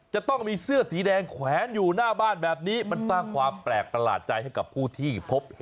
จะต้องมีเสื้อสีแดงแขวนอยู่หน้าบ้านแบบนี้